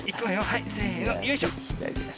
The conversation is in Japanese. はいせのよいしょ。